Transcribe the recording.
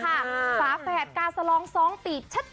ฝาแฝดกาสลองสองตีชัด